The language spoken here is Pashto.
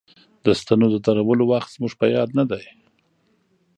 د ستنو د درولو وخت زموږ په یاد نه دی.